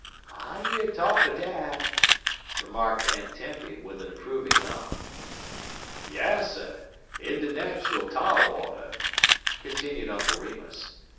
"I year talk er dat," remarked Aunt Tempy, with an approving nod. "Yasser! in de nat'al tar water," continued Uncle Remus.